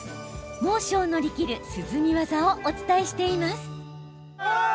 猛暑を乗り切る涼み技をお伝えしています。